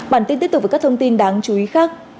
bản tin tiếp tục với các thông tin đáng chú ý khác